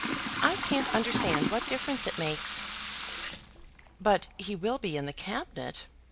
I can't understand what difference it makes." "But he will be in the Cabinet?"